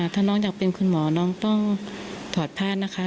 ถ้าน้องอยากเป็นคุณหมอน้องต้องถอดแพทย์นะคะ